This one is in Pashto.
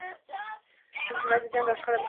ډيپلوماسي د جنګ او شخړې مخه نیسي.